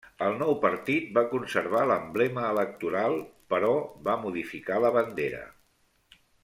El nou partit va conservar l'emblema electoral però va modificar la bandera.